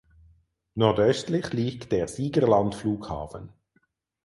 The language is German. Nordöstlich liegt der Siegerland Flughafen.